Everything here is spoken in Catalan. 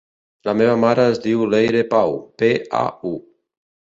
La meva mare es diu Leire Pau: pe, a, u.